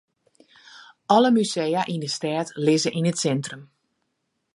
Alle musea yn 'e stêd lizze yn it sintrum.